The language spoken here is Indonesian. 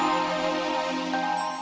mereka sudah berjalan